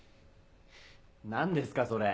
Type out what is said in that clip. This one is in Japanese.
何ですかそれ。